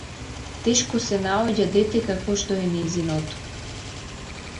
Тешко се наоѓа дете какво што е нејзиното.